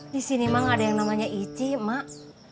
di sini mak gak ada yang namanya ici mak